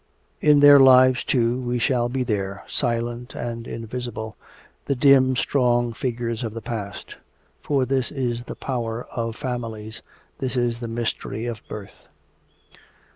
In their lives, too, we shall be there silent and invisible, the dim strong figures of the past. For this is the power of families, this is the mystery of birth."